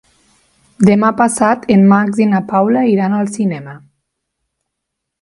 Demà passat en Max i na Paula iran al cinema.